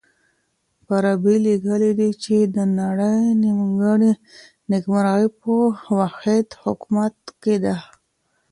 فارابي ليکلي دي چي د نړۍ نېکمرغي په واحد حکومت کي ده.